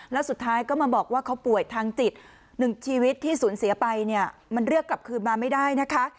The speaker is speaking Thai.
แล้วสุดท้ายก็มาบอกว่าเขาป่วยทางจิตหนึ่งชีวิตที่สูญเสียไปเนี่ยมันเรียกกลับคืนมาไม่ได้นะคะ